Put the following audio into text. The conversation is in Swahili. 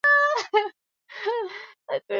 yamekuwa kwamba watu wanapanda magari hawaa